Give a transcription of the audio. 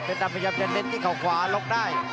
เพชรดำพยายามจะเน็ตที่เขาขวาลงได้